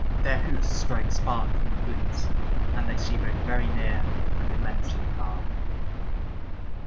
Their hoofs strike sparks from the flints and they see both very near and immensely far.